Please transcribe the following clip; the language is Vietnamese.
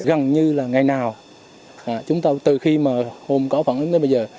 gần như là ngày nào chúng ta từ khi mà hôm có phản ứng tới bây giờ